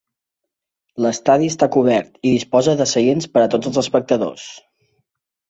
L'estadi està cobert i disposa de seients per a tots els espectadors.